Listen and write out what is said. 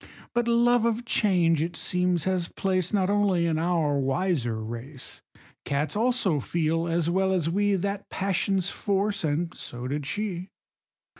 But love of change, it seems, has place Not only in our wiser race; Cats also feel, as well as we, That passion's force, and so did she.